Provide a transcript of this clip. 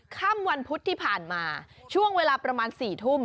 ค่ำวันพุธที่ผ่านมาช่วงเวลาประมาณ๔ทุ่ม